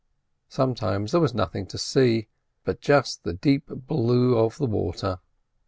Sometimes there was nothing to see but just the deep blue of the water.